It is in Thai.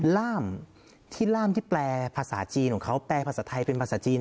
ล่ามที่ล่ามที่แปลภาษาจีนของเขาแปลภาษาไทยเป็นภาษาจีน